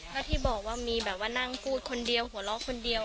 ถ้าที่บอกว่ามีแบบว่านั่งพูดคนเดียวหัวเราะคนเดียว